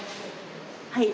はい。